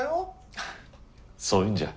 ハハッそういうんじゃ。